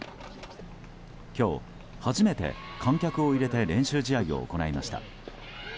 今日、初めて観客を入れて練習試合を行いました。